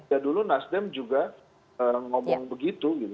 ya dulu nasdem juga ngomong begitu gitu